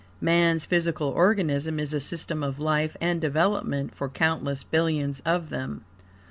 Man's physical organism is a system of life and development for countless billions of them.